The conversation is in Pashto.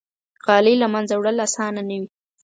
غالۍ له منځه وړل آسانه نه وي.